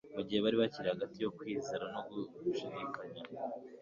Mu gihe bari bakiri hagati yo kwizera no gushidikanya.